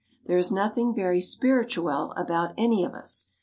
There is nothing very spirituelle about any of us.